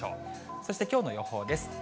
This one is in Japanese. そしてきょうの予報です。